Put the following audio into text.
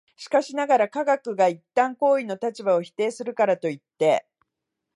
しかしながら、科学が一旦行為の立場を否定するからといって、